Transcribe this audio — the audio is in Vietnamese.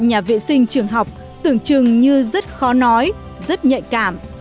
nhà vệ sinh trường học tưởng chừng như rất khó nói rất nhạy cảm